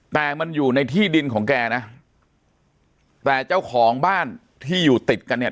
แต่มันอยู่ในที่ดินของแกนะแต่เจ้าของบ้านที่อยู่ติดกันเนี่ย